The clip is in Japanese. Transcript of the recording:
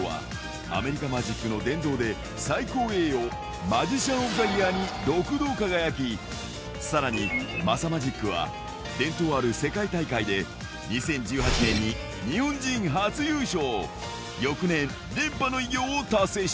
緒川集人はアメリカマジックの殿堂で、最高栄誉、マジシャン・オブ・ザ・イヤーで６度輝き、さらにマサマジックは、伝統ある世界大会で２０１８年に日本人初優勝。